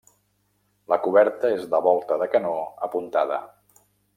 La coberta és de volta de canó apuntada.